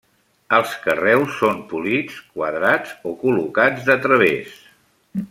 Els carreus són polits, quadrats o col·locats de través.